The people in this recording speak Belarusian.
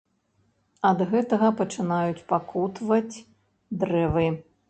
Ад гэтага пачынаюць пакутаваць дрэвы.